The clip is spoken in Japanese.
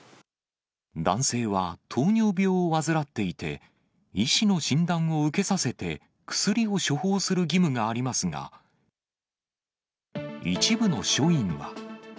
男性は糖尿病を患っていて、医師の診断を受けさせて、薬を処方する義務がありますが、一部の署員は。